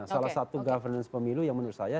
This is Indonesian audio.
salah satu governance pemilu yang menurut saya